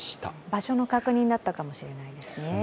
場所の確認だったかもしれないですね。